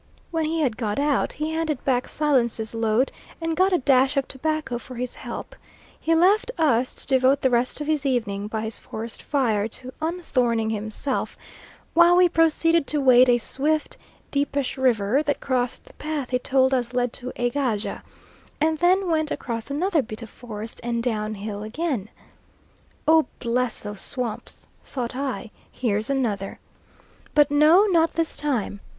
When he had got out, he handed back Silence's load and got a dash of tobacco for his help; he left us to devote the rest of his evening by his forest fire to unthorning himself, while we proceeded to wade a swift, deepish river that crossed the path he told us led into Egaja, and then went across another bit of forest and downhill again. "Oh, bless those swamps!" thought I, "here's another," but no not this time.